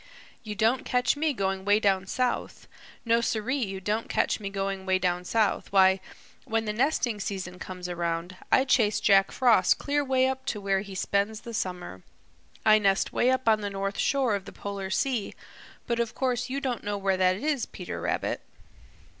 You don't catch me going 'way down south. No, siree, you don't catch me going 'way down south. Why, when the nesting season comes around, I chase Jack Frost clear 'way up to where he spends the summer. I nest 'way up on the shore of the Polar Sea, but of course you don't know where that is, Peter Rabbit."